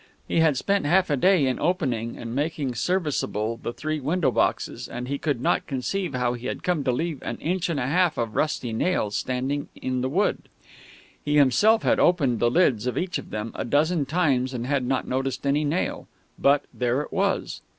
He had spent half a day in opening and making serviceable the three window boxes, and he could not conceive how he had come to leave an inch and a half of rusty nail standing in the wood. He himself had opened the lids of each of them a dozen times and had not noticed any nail; but there it was....